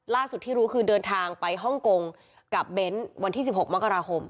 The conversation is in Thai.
ล่าสุดที่รู้คือเดินทางไปห้องกงกับเบ้นท์วันที่๑๖มค